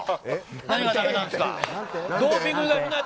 何が駄目なんですか。